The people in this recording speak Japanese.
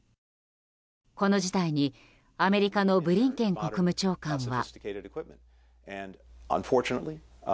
この事態にアメリカのブリンケン国務長官は。